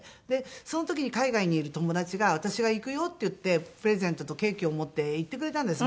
その時に海外にいる友達が「私が行くよ」って言ってプレゼントとケーキを持って行ってくれたんです